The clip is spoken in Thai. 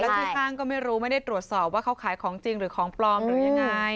ชื่อช่างก็ไม่รู้ไม่ได้ตรวจสอบว่าเขาขายของจริงหรือของปลอมหรือยังไง